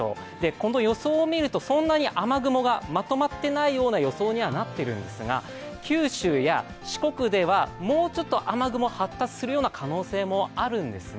この予想を見るとそんなに雨雲がまとまってないような予想になっているんですが、九州や四国ではもうちょっと雨雲、発達しそうな可能性もあるんですね。